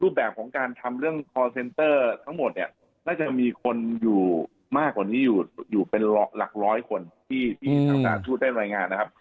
แบบของการทำเรื่องคอร์เซนเตอร์ทั้งหมดเนี่ยน่าจะมีคนอยู่มากกว่านี้อยู่เป็นหลักร้อยคนที่ทางสถานทูตได้รายงานนะครับ